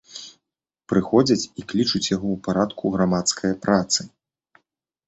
Прыходзяць і клічуць яго ў парадку грамадскае працы.